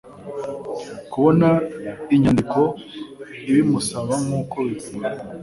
kubona inyandiko ibimusaba nk uko bivugwa